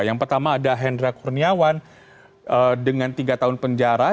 yang pertama ada hendra kurniawan dengan tiga tahun penjara